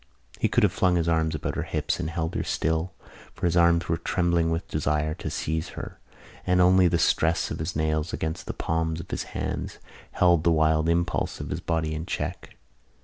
He could have flung his arms about her hips and held her still, for his arms were trembling with desire to seize her and only the stress of his nails against the palms of his hands held the wild impulse of his body in check.